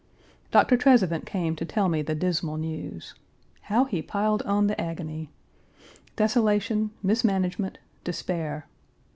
Doctor Trezevant came to tell me the dismal news. How he piled on the agony! Desolation, mismanagement, despair.